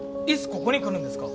ここに来るんですか？